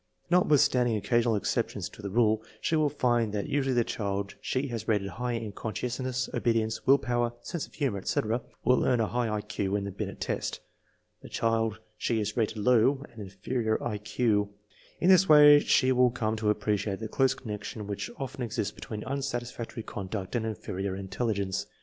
Notwithstanding occasional exceptions to the rule, she will find that usually the child she has rated high in conscientiousness, obedience, will power, sense of humor, etc., will earn a high I Q in the Binet test; the child she has rated low, an inferior I Q. 1 In this way she will come to appreciate the close connec tion which often exists between unsatisfactory conduct and inferior intelligence.